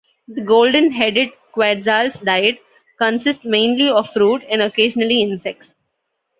The golden-headed quetzal's diet consists mainly of fruit, and occasionally insects.